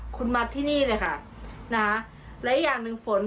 คุณมาที่นี่เลยค่ะนะคะและอีกอย่างหนึ่งฝน